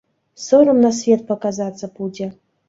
Сорам на свет паказацца будзе!